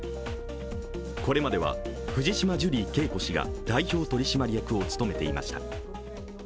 これまでは藤島ジュリー景子氏が代表取締役を務めていました。